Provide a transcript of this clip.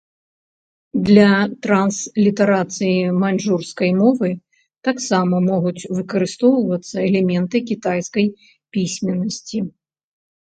Для транслітарацыі маньчжурскай мовы таксама могуць выкарыстоўвацца элементы кітайскай пісьменнасці.